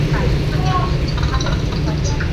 他的战功使他被选为后来的行动的负责人。